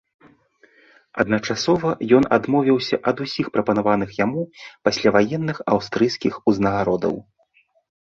Адначасова ён адмовіўся ад усіх прапанаваных яму пасляваенных аўстрыйскіх узнагародаў.